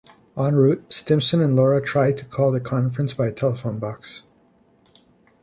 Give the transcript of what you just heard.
En route, Stimpson and Laura try to call the Conference by a telephone box.